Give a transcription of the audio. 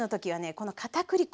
このかたくり粉。